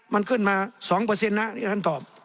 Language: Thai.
มันขึ้นมา๒นะท่านตอบ